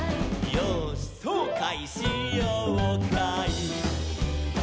「よーしそうかいしようかい」